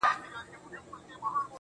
چې نرۍ ملا او مړې سترګې دي